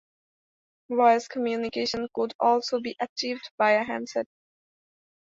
Voice communication could also be achieved via headset.